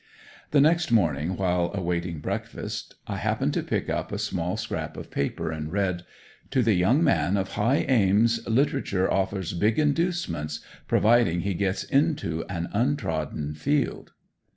The next morning while awaiting breakfast I happened to pick up a small scrap of paper and read: "To the young man of high aims literature offers big inducements, providing he gets into an untrodden field."